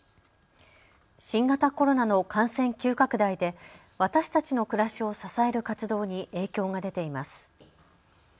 新型コロナの感染急拡大で私たちの暮らしを支える活動に影響が出ています。